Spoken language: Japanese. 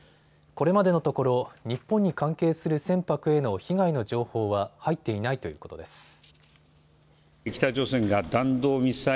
これまでのところ日本に関係する船舶への被害の情報は入っていないということです。